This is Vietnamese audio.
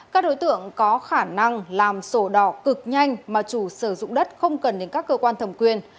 các đối tượng có khả năng làm sổ đỏ cực nhanh mà chủ sử dụng đất không cần đến các cơ quan thẩm quyền